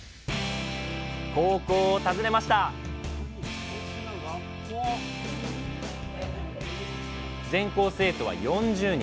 高校を訪ねました全校生徒は４０人。